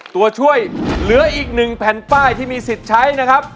ตัวช่วยเหลืออีก๑แผ่นป้ายที่มีสิทธิ์ใช้นะครับ